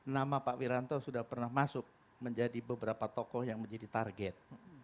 nama pak wiranto sudah pernah masuk menjadi beberapa tokoh yang menjadi target